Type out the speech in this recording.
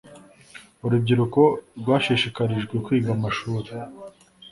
urubyiruko rwashishikarijwe kwiga amashuri